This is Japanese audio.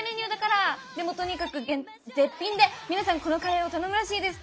でもとにかく絶品で皆さんこのカレーを頼むらしいです。